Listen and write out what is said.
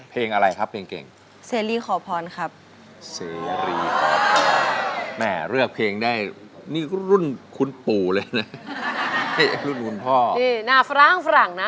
เพลงเก่ง